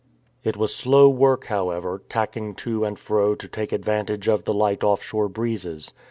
It was slow work, however, tacking to and fro to take advantage of the light off shore breezes.